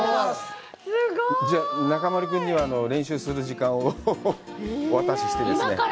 じゃあ、中丸君には練習する時間をお渡ししてですね。